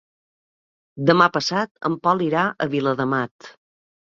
Demà passat en Pol irà a Viladamat.